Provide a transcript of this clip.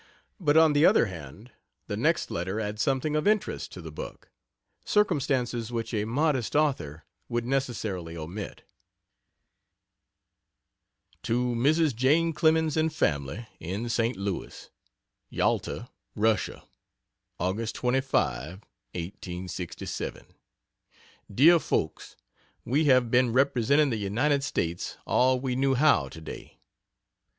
But on the other hand, the next letter adds something of interest to the book circumstances which a modest author would necessarily omit. To Mrs. Jane Clemens and family, in St. Louis: YALTA, RUSSIA, Aug. 25, 1867. DEAR FOLKS, We have been representing the United States all we knew how today.